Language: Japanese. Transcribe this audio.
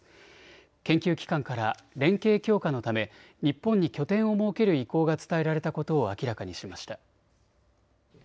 研究機関から連携強化のため日本に拠点を設ける意向が伝えられたことを明らかにしました。